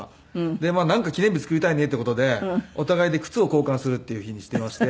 でまあなんか記念日作りたいねっていう事でお互いで靴を交換するっていう日にしていまして。